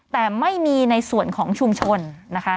แต่ไม่มีในส่วนของชุมชนนะคะ